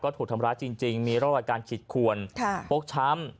ก็ถูกทำร้ายจริงมีราวรายการขิดขวนปพกทั้ง